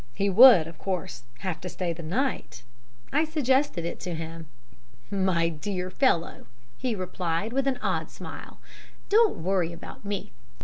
He would, of course, have to stay the night. I suggested it to him. "My dear fellow," he replied, with an odd smile, "don't worry about me.